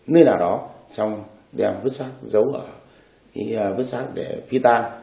nơi nào đó trong đèm vứt sát giấu ở vứt sát để phi tan